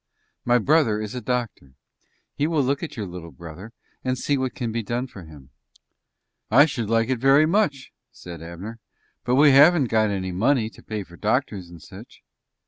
My brother is a doctor. He will look at your little brother and see what can be done for him." "I should like it very much," said Abner, "but we haven't got any money to pay for doctors and sich."